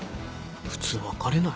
普通別れない？